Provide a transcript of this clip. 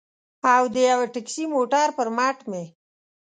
او د یوه ټکسي موټر پر مټ مې.